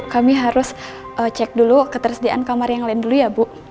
kami harus cek dulu ketersediaan kamar yang lain dulu ya bu